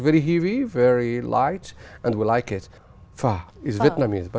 vì vậy khi tôi được truyền thông báo bằng tiếng màu